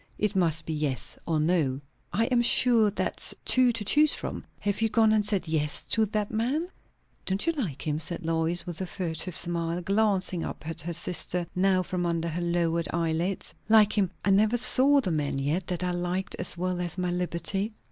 It must be yes or no." "I am sure that's two to choose from. Have you gone and said yes to that man?" "Don't you like him?" said Lois, with a furtive smile, glancing up at her sister now from under lowered eyelids. "Like him! I never saw the man yet, that I liked as well as my liberty."